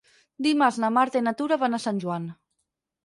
Dimarts na Marta i na Tura van a Sant Joan.